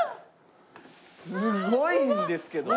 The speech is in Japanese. すごいんですけど。